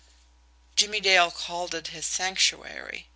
Jimmie Dale called it his "Sanctuary."